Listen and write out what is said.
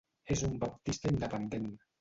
És un baptista independent.